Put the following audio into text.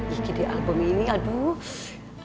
isi di album ini aduh